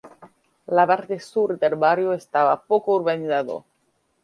La parte Sur del barrio estaba poco urbanizado.